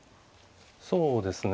そうですね。